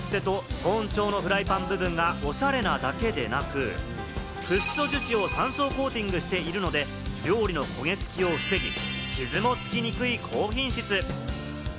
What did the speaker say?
木目調の取っ手とストーン調のフライパン部分がオシャレなだけでなく、フッ素樹脂を３層コーティングしているので、料理の焦げ付きを防ぎ、傷もつきにくい高品質。